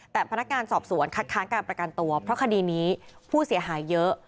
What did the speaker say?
แต่พนักงานสอบสวนคัดค้างการประกันตัวเพราะคดีนี้ผู้เสียหายเยอะ